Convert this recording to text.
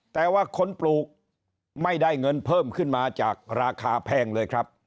แต่ว่าคนปลูกไม่ได้เงินเพิ่มขึ้นมาจากราคาแพงเลยครับ